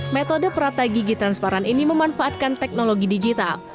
metode perata gigi transparan ini memanfaatkan teknologi digital